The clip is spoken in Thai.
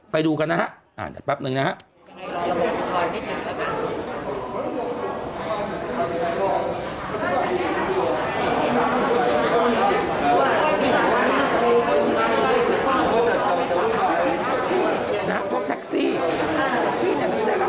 ไปดูกันนะฮะเดี๋ยวแป๊บหนึ่งนะฮะ